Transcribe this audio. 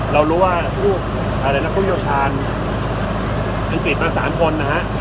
เรารู้ว่าพูดรุมเหล่านักที่อย่าชารจากอังกฤษมา๓คน